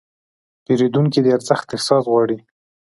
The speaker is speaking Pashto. پیرودونکي د ارزښت احساس غواړي.